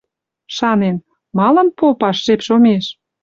Шанен: малын попаш, жеп шомеш?